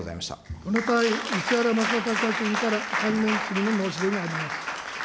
この際、石原正敬君から関連質疑の申し出があります